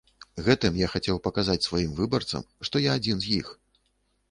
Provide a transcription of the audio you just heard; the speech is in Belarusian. Гэтым я хацеў паказаць сваім выбарцам, што я адзін з іх.